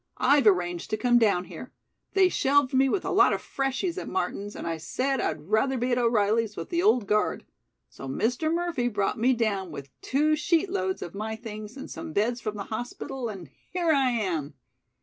"I've arranged to come down here. They shelved me with a lot of freshies at Martin's and I said I'd rather be at O'Reilly's with the Old Guard. So Mr. Murphy brought me down with two sheet loads of my things and some beds from the hospital, and here I am."